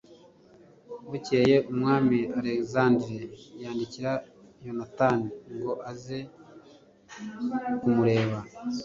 bukeye, umwami alegisanderi yandikira yonatani ngo aze kumureba